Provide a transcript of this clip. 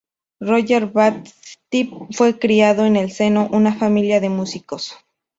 Roger Baptist fue criado en el seno una familia de músicos.